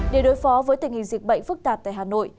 để đối phó với tình hình dịch bệnh phức tạp tại hà nội